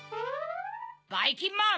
ばいきんまん！